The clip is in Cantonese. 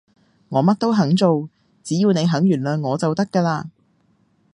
我乜都肯做，只要你肯原諒我就得㗎喇